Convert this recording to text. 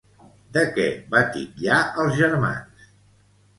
De què va titllar als germans?